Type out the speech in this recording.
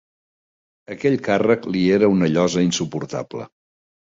Aquell càrrec li era una llosa insuportable.